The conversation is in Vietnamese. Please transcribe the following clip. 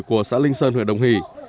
của xã linh sơn huyện đồng hỷ